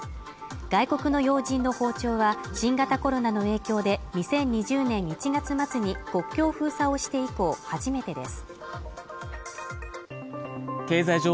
外国の要人の訪朝は新型コロナの影響で２０２０年１月末に国境封鎖をして以降初めてです・